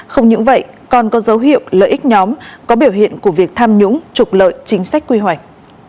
không những vậy còn có dấu hiệu lợi ích nhóm có biểu hiện của việc tham nhũng trục lợi chính sách quy hoạch